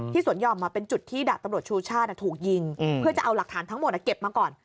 สวนห่อมเป็นจุดที่ดาบตำรวจชูชาติถูกยิงเพื่อจะเอาหลักฐานทั้งหมดเก็บมาก่อน